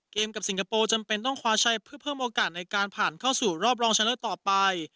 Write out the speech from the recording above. กับสิงคโปร์จำเป็นต้องคว้าชัยเพื่อเพิ่มโอกาสในการผ่านเข้าสู่รอบรองชนะเลิศต่อไป